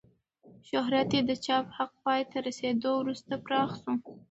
شهرت یې د چاپ حق پای ته رسېدو وروسته پراخ شو.